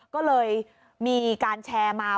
ก็เลยมีการแชร์มา